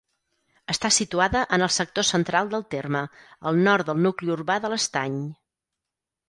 Està situada en el sector central del terme, al nord del nucli urbà de l'Estany.